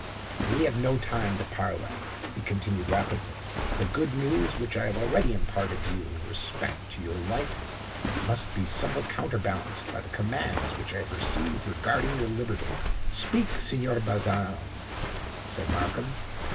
"But we have no time to parley," he continued rapidly: "the good news which I have already imparted to you in respect to your life, must be somewhat counterbalanced by the commands which I have received regarding your liberty." "Speak, Signor Bazzano," said Markham.